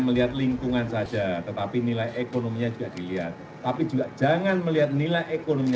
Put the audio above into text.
melihat lingkungan saja tetapi nilai ekonominya juga dilihat tapi juga jangan melihat nilai ekonomi